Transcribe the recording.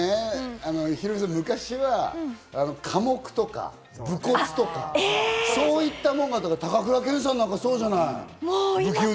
ヒロミさん、昔は寡黙とか無骨とか、そういったものが、高倉健さんなんかそうじゃない。